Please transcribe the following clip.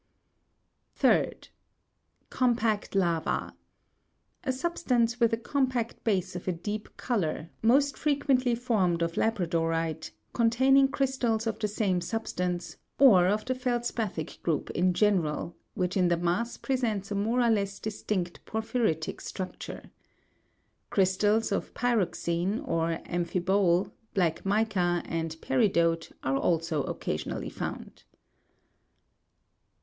41. 3d. Compact lava. A substance with a compact base of a deep colour, most frequently formed of labradorite, containing crys tals of the same substance, or of the feldspa'thic group in general, which in the mass presents a more or less distinct porphyritic struc ture. Crystals of py'roxene, of am'phibole, black mica and peri dote are also occasionally found.